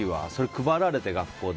配られて、学校で。